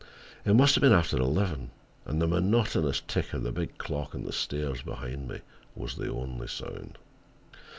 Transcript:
It must have been after eleven, and the monotonous tick of the big clock on the stairs behind me was the only sound.